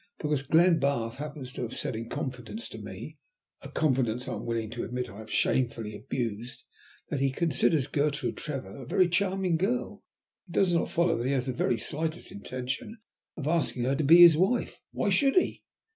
Because Glenbarth happens to have said in confidence to me (a confidence I am willing to admit I have shamefully abused) that he considers Gertrude Trevor a very charming girl, it does not follow that he has the very slightest intention of asking her to be his wife. Why should he?"